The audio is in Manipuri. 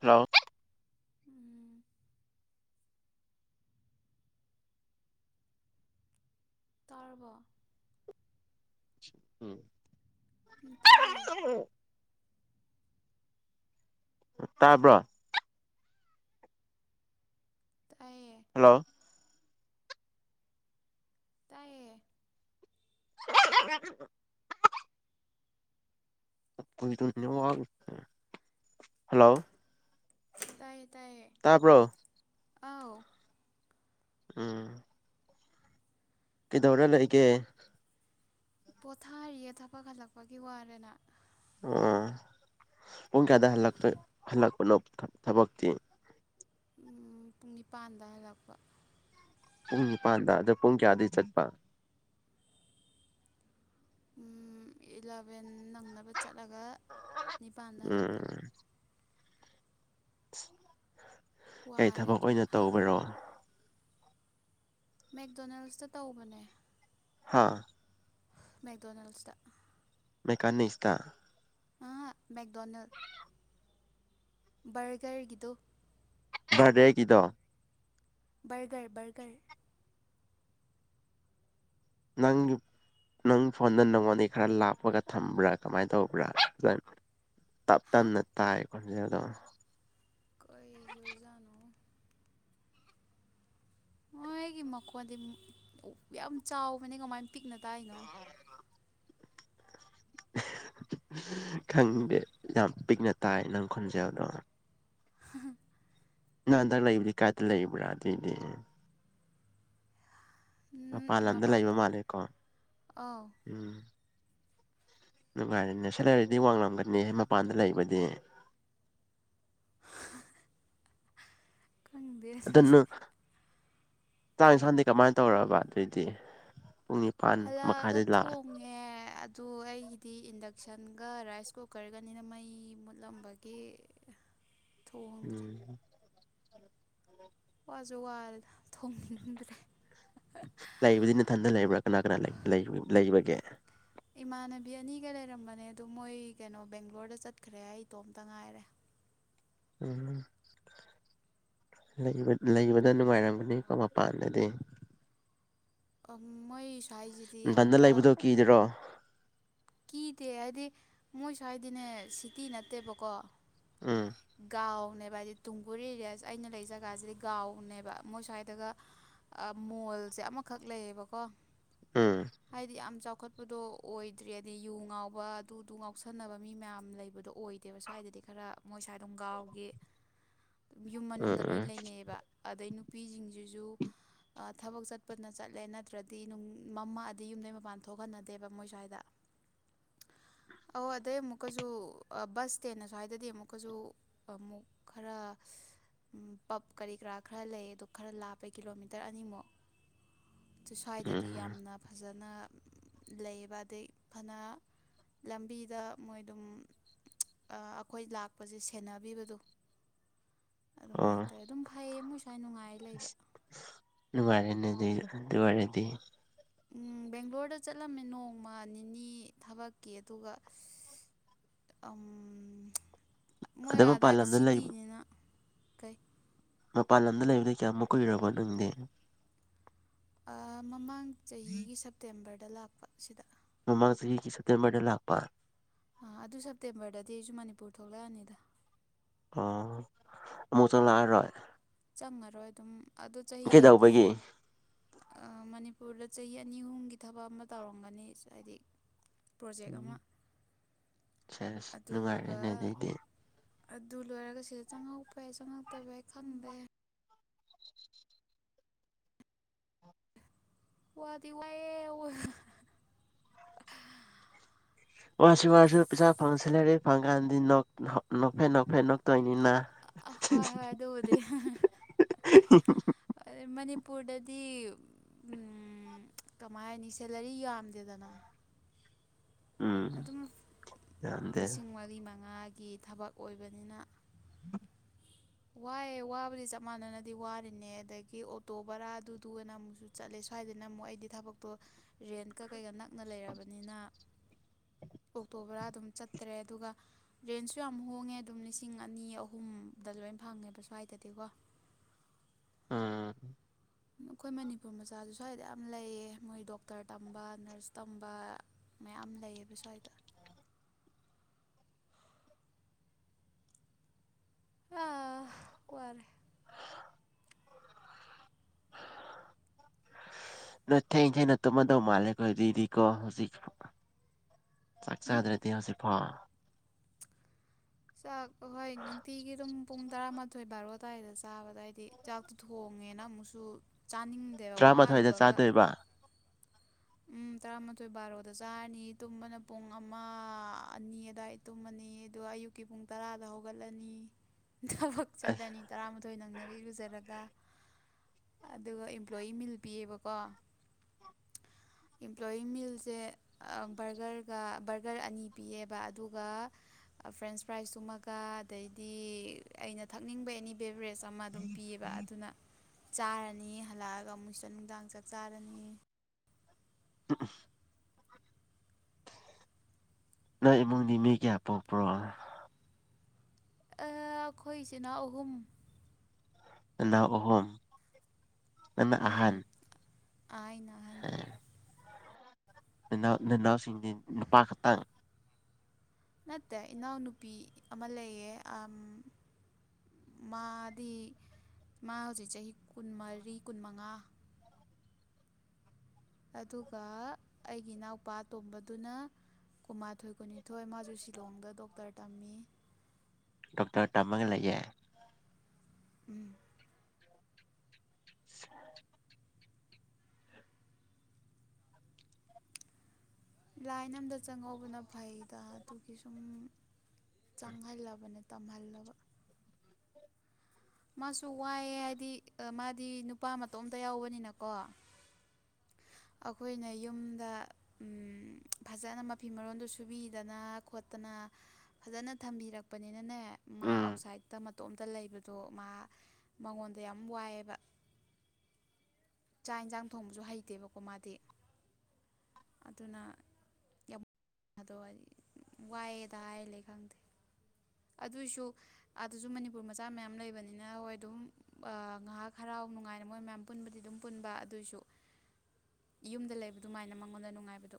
ꯍꯂꯣ ꯎꯝ ꯇꯔꯕꯣ ꯎꯝ ꯇꯥꯏꯌꯦ ꯇꯥꯕ꯭ꯔꯣ ꯇꯥꯏꯌꯦ ꯍꯜꯂꯣ ꯇꯥꯏꯌꯦ [unintelligible] ꯍꯜꯂꯣ ꯇꯥꯏꯌꯦ ꯇꯥꯏꯌꯦ ꯇꯥꯕ꯭ꯔꯣ ꯑꯥꯎ ꯎꯝ ꯀ ꯩꯗꯧꯔ ꯂꯩꯒꯦ ꯄꯣꯊꯥꯔꯤꯌꯦ ꯊꯕꯛ ꯍꯜꯂꯛꯄꯒꯤ ꯋꯥꯔꯦꯅ ꯑꯣ ꯄꯨꯡ ꯀꯌꯥꯗ ꯍꯂꯇꯣꯏ ꯍꯜꯂꯛꯄꯅꯣ ꯊꯕꯛꯇꯤ ꯄꯨꯡ ꯅꯤꯄꯥꯟꯗ ꯍꯜꯂꯛꯄ ꯄꯨꯡ ꯅꯤꯄꯥꯟꯗ ꯑꯗꯣ ꯄꯨꯡ ꯀꯌꯥꯗ ꯩ ꯆꯠꯄ ꯏꯂꯚꯦꯟ ꯅꯪꯅꯕ ꯆꯠꯂꯒ ꯅꯤꯄꯥꯟꯗ ꯍꯟꯂꯛꯄ ꯎꯝ [unintelligible] ꯀꯩ ꯋꯥꯔꯦ ꯊꯕꯛ ꯑꯗꯨꯅ ꯑꯣꯏꯅ ꯇꯧꯕꯔꯣ ꯃꯦꯛꯗꯣꯅꯦꯜꯁꯇ ꯇꯧꯕꯅꯦ ꯍꯥꯥ ꯃꯦꯛꯗꯣꯅꯦꯜꯁꯇ ꯃꯦꯀꯅꯤꯁꯇ ꯑ ꯃꯦꯛꯗꯣꯅꯦꯜ ꯕꯔꯒꯔꯒꯤꯗꯨ ꯚꯔꯗꯦꯒꯤꯗꯣ ꯕꯔꯒꯔ ꯕꯔꯒꯔ ꯅꯪꯒꯤ ꯅꯪ ꯐꯣꯟꯗ ꯅꯪꯉꯣꯟꯗꯩ ꯈꯔ ꯂꯥꯞꯄꯒ ꯊꯝꯕ꯭ꯔꯥ ꯀꯃꯥꯏꯅ ꯇꯧꯕ꯭ꯔꯥ ꯇꯞ ꯍꯥ ꯇꯅ ꯇꯥꯏ ꯈꯣꯟꯖꯦꯜꯗꯣ ꯀꯩ ꯑꯣꯏꯖꯥꯠꯅꯣ ꯍꯣꯏ ꯑꯩꯒꯤ ꯃꯈꯣꯟꯗꯤ ꯌꯥꯝ ꯆꯥꯎꯕꯅꯤ ꯀꯃꯥꯏꯅ ꯄꯤꯛꯅ ꯇꯥꯏꯅꯣ ꯈꯪꯗꯦ ꯌꯥꯝ ꯄꯤꯛꯅ ꯇꯥꯏ ꯅꯪ ꯈꯣꯟꯖꯦꯜꯗꯣ [unintelligible] ꯅꯟꯗꯛ ꯂꯩꯕꯗꯤ ꯀꯥꯏꯇ ꯂꯩꯕ꯭ꯔꯥ ꯑꯗꯨꯏꯗꯤ ꯃꯄꯥꯟ ꯂꯝꯗ ꯂꯩꯕ ꯃꯄꯥꯟꯗ ꯃꯥꯜꯂꯦꯀꯣ ꯑꯥꯎ ꯎꯝ ꯅꯨꯡꯉꯥꯏꯔꯦꯅꯦ ꯁꯦꯂꯔꯤꯗꯤ ꯋꯥꯡꯂꯝꯒꯅꯤ ꯃꯄꯥꯟꯗ ꯂꯩꯕꯗꯤ ꯈꯪꯗꯦ ꯑꯗꯨꯗꯤ ꯆꯥꯡ ꯀꯩ ꯏꯟꯁꯥꯡꯗꯤ ꯀꯃꯥꯏꯅ ꯇꯧꯔꯕꯕ ꯑꯗꯩꯗꯤ ꯍꯜꯂꯛꯑꯒ ꯊꯣꯡꯉꯦ ꯑꯗꯨ ꯑꯩꯒꯤꯗꯤ ꯏꯟꯗ ꯏꯟꯗꯛꯁꯟꯒ ꯔꯥꯏꯁ ꯀꯨꯀꯔꯒꯅꯤꯅ ꯃꯩ ꯃꯨꯠꯂꯝꯕꯒꯤ ꯊꯣꯡꯗ꯭ꯔꯤ ꯎꯝ ꯋꯥꯖꯨ ꯋꯥꯔꯦꯗ ꯊꯣꯡꯗ꯭ꯔꯦ ꯂꯩꯕꯗꯤ ꯏꯊꯟꯗ ꯂꯩꯕ꯭ꯔꯥ ꯀꯅꯥ ꯀꯅꯥ ꯂꯩꯕꯒꯦ ꯏꯃꯥꯟꯅꯕꯤ ꯑꯅꯤꯒ ꯂꯩꯔꯝꯕꯅꯦ ꯑꯗꯨ ꯃꯣꯏ ꯀꯩꯅꯣ ꯕꯦꯡꯒ꯭ꯂꯣꯔꯗ ꯆꯠꯈ꯭ꯔꯦ ꯑꯩ ꯏꯇꯣꯝꯇ ꯉꯥꯏꯔꯦ ꯎꯝ ꯂꯩꯕꯗ ꯅꯨꯡꯉꯥꯏꯔꯝꯒꯅꯤꯀꯣ ꯃꯄꯥꯟꯗꯗꯤ ꯑꯥ ꯃꫭꯏ ꯅꯊꯟꯗꯥ ꯂꯩꯕꯗꯣ ꯀꯤꯗꯔꯣ ꯀꯤꯗꯦ ꯍꯥꯏꯗꯤ ꯃꯣꯏꯁꯨ ꯍꯥꯏꯗꯤꯅꯦ ꯁꯤꯇꯤ ꯅꯠꯇꯦꯕꯀꯣ ꯎꯝ ꯀꯥꯎꯅꯦꯞ ꯍꯥꯏꯗꯤ ꯇꯨꯡꯒꯨꯜ ꯑꯦꯔꯤꯌꯥꯁꯦ ꯑꯩꯅ ꯂꯩ ꯖꯒꯥꯁꯤꯗꯤ ꯒꯥꯎꯅꯦꯕ ꯃꯣꯏ ꯁ꯭ꯋꯥꯏꯗꯒ ꯃꯣꯜꯁꯦ ꯑꯃꯈꯛ ꯂꯩꯌꯦꯕꯀꯣ ꯎꯝ ꯍꯥꯏꯗꯤ ꯌꯥꯝ ꯆꯥꯎ ꯆꯥꯎꯈꯠꯄꯗꯣ ꯑꯣꯏꯗ꯭ꯔꯤ ꯑꯗꯩ ꯌꯨ ꯉꯥꯎꯕ ꯑꯗꯨꯗꯨ ꯉꯥꯎꯁꯟꯅꯕ ꯃꯤ ꯃꯌꯥꯝ ꯂꯩꯕꯗꯣ ꯑꯣꯏꯗꯦꯕ ꯁ꯭ꯋꯥꯏꯗꯗꯤ ꯈꯔ ꯃꯣꯏ ꯁ꯭ꯋꯥꯏ ꯒꯥꯎꯒꯤ ꯌꯨꯝ ꯃꯅꯨꯡꯗ ꯎꯝ ꯂꯣꯏ ꯎꯝ ꯂꯩꯅꯩꯑꯌꯦꯕ ꯑꯗꯩ ꯅꯨꯄꯤꯁꯤꯡꯁꯤꯁꯨ ꯊꯕꯛ ꯆꯠꯄꯅ ꯆꯠꯂꯦ ꯅꯠꯇ꯭ꯔꯗꯤ ꯃꯃꯥ ꯑꯗꯤ ꯌꯨꯝꯗꯩ ꯃꯄꯥꯟ ꯊꯣꯛꯍꯟꯅꯗꯦꯕ ꯃꯣꯏ ꯁ꯭ꯋꯥꯏꯗ ꯑꯣ ꯑꯗꯩ ꯑꯃꯨꯛꯀꯁꯨ ꯕꯁ ꯏꯁꯇꯦꯟꯅ ꯁ꯭ꯋꯥꯏꯗꯗꯤ ꯑꯃꯨꯛꯀꯁꯨ ꯑꯃꯨꯛ ꯈꯔ ꯄꯞ ꯀꯔꯤ ꯀꯔꯥ ꯈꯔ ꯂꯩ ꯑꯗꯨ ꯈꯔ ꯂꯥꯞꯄꯦ ꯀꯤꯂꯣꯃꯤꯇꯔ ꯑꯅꯤꯃꯨꯛ ꯁ꯭ꯋꯥꯏꯗꯗꯤ ꯎꯝ ꯌꯥꯝꯅ ꯐꯖꯕ ꯅ ꯂꯩꯕ ꯑꯗꯩ ꯐꯅ ꯂꯝꯕꯤꯗ ꯃꯣꯏ ꯑꯗꯨꯝ ꯑꯩꯈꯣꯏ ꯂꯥꯛꯄꯁꯦ ꯁꯦꯟꯅꯕꯤꯕꯗꫭ ꯑꯗꯨꯃꯥꯏꯅ ꯑꯣ ꯇꯧꯋꯦ ꯑꯗꯨꯝ ꯐꯩꯌꯦ ꯃꯣꯏ ꯁ꯭ꯋꯥꯏ ꯅꯨꯡꯉꯥꯏ ꯂꯩꯕ ꯅꯨꯡꯉꯥꯏꯔꯦꯅꯦ ꯑꯗꯨ ꯑꯗꯨ ꯋꯥꯔꯦꯗꯤ ꯕꯦꯡꯒ꯭ꯂꯣꯔꯗ ꯆꯠꯂꯝꯃꯦ ꯅꯣꯡꯃ ꯅꯤꯅꯤ ꯊꯕꯛꯀꯤ ꯑꯗꯨꯒ ꯃꯣꯏ ꯑꯗ ꯃꯄꯥꯟ ꯑꯗꯥꯋꯥꯏꯗ ꯂꯝꯗ ꯂꯩ ꯁꯤꯇꯤꯅꯤꯅ ꯀꯩ ꯃꯄꯥꯟ ꯂꯝꯗ ꯂꯩꯕꯗ ꯀꯌꯥꯃꯨꯛ ꯀꯨꯏꯔꯕꯣ ꯅꯪꯗꯦ ꯑ ꯃꯃꯥꯡ ꯆꯍꯤꯒꯤ ꯁꯦꯞꯇꯦꯝꯕꯔ ꯗ ꯂꯥꯞꯄꯁꯤꯗ ꯃꯃꯥꯡꯖꯤꯍꯤꯒꯤ ꯁꯇꯔ ꯃꯔꯗꯦꯜ ꯑꯈꯕꯥ ꯑꯗꯨ ꯁꯦꯞꯇꯦꯝꯕꯔꯗꯗꯤ ꯑꯩꯁꯨ ꯃꯅꯤꯄꯨꯔ ꯊꯣꯛꯂꯛꯑꯅꯤꯗ ꯑꯣ ꯑꯃꯨꯛ ꯆꯪꯂꯛꯑꯔꫭꯏ ꯇꯪꯉꯔꯣꯏ ꯑꯗꯨꯝ ꯑꯗꯨ ꯆꯍꯤ ꯀꯩꯗꯧꯕꯒꯤ ꯃꯅꯤꯄꯨꯔꯗ ꯆꯍꯤ ꯑꯅꯤ ꯑꯍꯨꯝꯒꯤ ꯊꯕꯛ ꯑꯃ ꯇꯧꯔꯝꯒꯅꯤ ꯍꯥꯏꯗꯤ ꯄ꯭ꯔꯣꯖꯦꯛ ꯑꯃ ꯎꯝ ꯁꯦꯁ ꯑꯗꯨꯒ ꯅꯨꯡꯉꯥꯏꯔꯦꯅꯦ ꯑꯗꯩꯗꯤ ꯑꯗꯨ ꯂꯣꯏꯔꯒ ꯁꯤꯗ ꯆꯪꯉꯛꯄ ꯌꯥꯏ ꯆꯪꯉꯛꯇꯕ ꯌꯥ ꯈꯟꯗꯦ ꯋꯥꯗꯤ ꯋꯥꯏꯌꯦ ꯋꯥꯁꯨ ꯋꯥꯔꯁꯨ ꯄꯩꯁꯥ ꯐꯪ ꯁꯤꯜꯂꯔ ꯐꯪ ꯀꯥꯟꯗꯤ ꯅꯦꯛ ꯅꯣꯛꯐꯦ ꯅꯣꯛꯐꯦ ꯅꯣꯛ ꯇꯣꯏꯅꯤꯅ ꯍꯣꯏ ꯍꯣꯏ ꯑꯗꯨꯕꯨꯗꯤ ꯃꯅꯤꯄꯨꯔꯗꯗꯤ ꯀꯃꯥꯏꯅꯤ ꯁꯦꯂꯔꯤ ꯌꯥꯝꯗꯦꯗꯅ ꯎꯝ ꯑꯗꯨꯝ ꯌꯥꯝꯗꯦ ꯂꯤꯁꯤꯡ ꯃꯔꯤ ꯃꯉꯥ ꯒꯤ ꯊꯕꯛ ꯑꯣꯏꯕꯅꯤꯅ ꯋꯥꯏꯑꯦ ꯋꯥꯕꯨꯗꯤ ꯆꯞ ꯃꯥꯟꯅꯅꯗꯤ ꯋꯥꯔꯤꯅꯦ ꯑꯗꯒꯤ ꯑꯣꯇꯣ ꯕꯔꯥꯗꯨꯗꯨꯒꯅ ꯑꯃꯨꯛꯁꯨ ꯆꯠꯂꯦ ꯁ꯭ꯋꯥꯏꯗꯅ ꯑꯃꯨꯛ ꯑꯩꯗꯤ ꯊꯕꯛꯇꯣ ꯔꯦꯟꯠꯀ ꯀꯩꯀ ꯅꯛ ꯅ ꯂꯩꯔꯕꯅꯤꯅ ꯑꯣꯛꯇꯣꯕꯔꯥ ꯑꯗꯨꯝ ꯆꯠꯇ꯭ꯔꯦ ꯑꯗꯨꯒ ꯔꯦꯟꯖꯁꯨ ꯌꯥꯝ ꯍꯣꯡꯉꯦ ꯑꯗꯨꯝ ꯂꯤꯁꯤꯡ ꯑꯅꯤ ꯑꯍꯨꯝꯗ ꯂꯣꯏ ꯐꯪꯉꯦꯕ ꯁ꯭ꯋꯥꯏꯗꯗꯤꯀꯣ ꯑꯝ ꯑꯩꯈꯣꯏ ꯃꯅꯤꯄꯨꯔ ꯃꯆꯥꯁꯨ ꯁ꯭ꯋꯥꯏꯗ ꯌꯥꯝ ꯂꯩꯌꯦ ꯃꯣꯏ ꯗꯣꯛꯇꯔ ꯇꯝꯕ ꯅꯔꯁ ꯇꯝꯕ ꯃꯌꯥꯝ ꯂꯩꯌꯦꯕ ꯁ꯭ꯋꯥꯏꯗ ꯑ ꯋꯥꯔꯦ ꯅꯪ ꯊꯦꯡ ꯊꯦꯡꯅ ꯇꯨꯝꯃꯝꯗꯣ ꯃꯥꯂꯦꯀꯣ ꯍꯧꯖꯤꯛ ꯆꯥꯛ ꯎꯝ ꯆꯥꯗ꯭ꯔꯗꯤ ꯍꯧꯖꯤꯛ ꯐꯥꯎ ꯆꯥꯛ ꯑꯍꯣꯏ ꯅꯨꯡꯇꯤꯒꯤ ꯑꯗꯨꯝ ꯄꯨꯡ ꯇꯔꯥꯃꯥꯊꯣꯏ ꯕꯥꯔꯣ ꯑꯗꯨꯋꯥꯏꯗ ꯆꯥꯕꯗ ꯍꯥꯏꯗꯤ ꯆꯥꯛꯇꯣ ꯊꯣꯡꯉꯦꯅ ꯑꯃꯨꯛꯁꯨ ꯆꯥꯅꯤꯡꯗꯦꯕ ꯇꯔꯥꯃꯥꯊꯣꯏꯗ ꯋꯥꯔꯨꯕꯒ ꯆꯥꯗꯣꯏꯕ ꯎꯝ ꯇꯔꯥꯃꯥꯊꯣꯏ ꯕꯥꯔꯣꯗ ꯆꯥꯔꯅꯤ ꯇꯨꯝꯕꯅ ꯄꯨꯡ ꯑꯃ ꯑꯅꯤ ꯑꯗꯨꯋꯥꯏꯗ ꯇꯨꯝꯃꯅꯤ ꯑꯗꯨꯒ ꯑꯌꯨꯛꯀꯤ ꯄꯨꯡ ꯇꯔꯥꯗ ꯍꯧꯒꯠꯂꯅꯤ ꯊꯕꯛ ꯑꯁ ꯆꯠꯂꯅꯤ ꯇꯔꯥ ꯑꯗꯨ ꯅꯪꯅꯕꯤ ꯏꯂꯨꯖꯔꯒ ꯑꯗꯨꯒ ꯑꯝꯄ꯭ꯂꯣꯌꯤ ꯃꯤꯜ ꯄꯤꯌꯦꯕꯀꯣ ꯏꯝꯄ꯭ꯂꯣꯋꯤ ꯃꯤꯜꯁꯦ ꯕꯔꯒꯔꯒ ꯕꯔꯒꯔ ꯑꯅꯤ ꯄꯤꯌꯦꯕ ꯑꯗꯨꯒ ꯐ꯭ꯔꯦꯟꯁ ꯐ꯭ꯔꯥꯏꯖꯀꯃꯒ ꯑꯗꯩꯗꯤ ꯑꯩꯅ ꯊꯛꯅꯤꯡꯕ ꯑꯦꯅꯤ ꯕꯦꯕꯔꯦꯖ ꯑꯃ ꯑꯗꯨꯝ ꯄꯤꯌꯦꯕ ꯑꯗꯨꯅ ꯆꯥꯔꯅꯤ ꯍꯜꯂꯛꯑꯒ ꯃꯨꯛꯁꯤꯗ ꯅꯨꯡꯗꯥꯡ ꯆꯥꯛ ꯆꯥꯔꯅꯤ [unintelligible] ꯅꯪ ꯏꯃꯨꯡꯗꯤ ꯃꯤ ꯀꯌꯥ ꯄꯣꯛꯄ꯭ꯔꯣ ꯑꯩꯈꯣꯏ ꯏꯆꯤꯟ ꯏꯅꯥꯎ ꯑꯍꯨꯝ ꯅꯅꯥꯎ ꯑꯍꯨꯝ ꯅꯪꯅ ꯑꯍꯟ ꯑꯥꯏꯅ [unintelligible] ꯅꯅꯥꯎꯁꯤꯡꯗꯤ ꯅꯨꯄꯥ ꯈꯠꯇꯪ ꯅꯠꯇꯦ ꯏꯅꯥꯎꯅꯨꯄꯤ ꯑꯃ ꯂꯩꯌꯦ ꯎꯝ ꯃꯥꯗꯤ ꯃꯥ ꯍꯧꯖꯤꯛ ꯆꯍꯤ ꯀꯨꯟꯃꯔꯤ ꯀꯨꯟꯃꯉꯥ ꯑꯗꯨꯒ ꯑꯩꯒꯤ ꯏꯅꯥꯎꯄꯥ ꯇꯣꯝꯕꯗꯨꯅ ꯀꯨꯟꯃꯥꯊꯣꯏ ꯀꯨꯟꯅꯤꯊꯣꯏ ꯃꯥꯁꯨ ꯁꯤꯂꯣꯡꯗ ꯗꯣꯛꯇꯔ ꯇꯝꯃꯤ ꯗꯣꯛꯇꯔ ꯇꯝꯃꯒ ꯂꯩꯌꯦ ꯎꯝ [unintelligible] ꯂꯥꯏꯟ ꯑꯃꯝꯗ ꯆꯪꯍꯧꯕꯅ ꯐꯩꯗ ꯑꯗꯨꯒꯤ ꯁꯨꯝ ꯆꯪꯍꯜ ꯂꯕꯅꯦ ꯇꯝꯍꯜꯂꯕ ꯃꯥꯁꯨ ꯋꯥꯏꯑ ꯍꯥꯏꯗꯤ ꯃꯥꯗꯤ ꯅꯨꯄꯥ ꯃꯇꯣꯝꯇ ꯌꯥꯎꯕꯅꯤꯅꯀꯣ ꯑꯩꯈꯣꯏꯅ ꯌꯨꯝꯗ ꯐꯖꯅ ꯃꯐꯤ ꯃꯔꯣꯟꯗꯣ ꯁꯨꯕꯤꯗꯅ ꯈꯣꯠꯇꯅ ꯐꯖꯅ ꯊꯝꯕꯤꯔꯛꯄꯅꯤꯅꯅꯦ ꯃꯥ ꯎꯝ ꯑꯥꯎꯁꯥꯏꯗ ꯃꯇꯣꯝ ꯂꯩꯕ ꯑꯗꯣ ꯃꯥ ꯃꯉꯣꯟꯗ ꯌꯥꯝ ꯋꯥꯏꯑꯦꯕ ꯆꯥꯛ ꯌꯦꯟꯁꯥꯡ ꯊꯣꯡꯕꯁꯨ ꯍꯩꯇꯦꯕꯀꯣ ꯃꯥꯗꯤ ꯑꯗꯨꯅ ꯌꯥꯝ ꯑꯗꯣ ꯋꯥꯏꯑꯦꯗ ꯍꯥꯏꯔꯂꯦ ꯈꯪꯗꯦ ꯑꯗꯨꯏꯁꯨ ꯑꯗꯨꯁꯨ ꯃꯅꯤꯄꯨꯔ ꯃꯆꯥ ꯃꯌꯥꯝ ꯂꯩꯕꯅꯤꯅ ꯍꯣꯏ ꯑꯗꯨꯝ ꯉꯥꯏꯍꯥꯛ ꯍꯔꯥꯎ ꯅꯨꯡꯉꯥꯏꯅ ꯃꯣꯏ ꯃꯌꯥꯝ ꯄꯨꯟꯕꯗꯤ ꯑꯗꯨꯝ ꯄꯨꯟꯕ ꯑꯗꯨꯏꯁꯨ ꯌꯨꯝꯗ ꯂꯩꯕ ꯑꯗꯨꯃꯥꯏꯅ ꯃꯉꯣꯟꯗ ꯅꯨꯡꯉꯥꯏꯕꯗꯣ